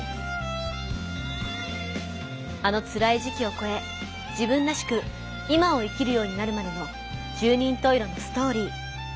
あのつらい時期をこえ自分らしく今を生きるようになるまでの十人十色のストーリー。